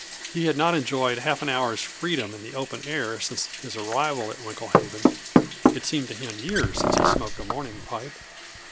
He had not enjoyed half an hour's freedom in the open air since his arrival at Winklehaven; it seemed to him years since he smoked a morning pipe.